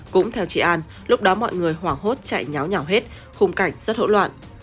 cũng theo chị an lúc đó mọi người hoảng hốt chạy nháo nhào hết khung cảnh rất hỗn loạn